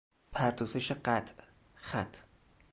پردازش قطع - خط